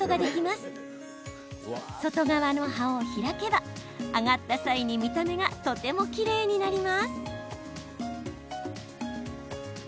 外側の葉を開けば揚がった際に見た目がとてもきれいになります。